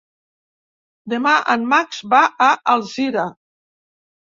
Demà en Max va a Alzira.